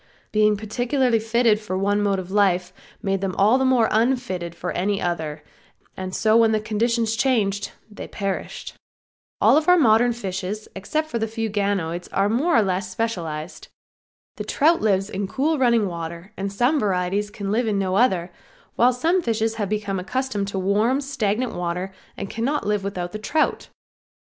Being particularly fitted for one mode of life made them all the more unfitted for any other, and so when conditions changed they perished. All of our modern fishes except the few ganoids are more or less specialized. The trout lives in cool running water and some varieties can live in no other, while some fishes have become accustomed to warm, stagnant water and cannot live with the trout.